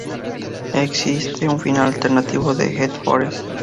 Existe un final alternativo de The Forest.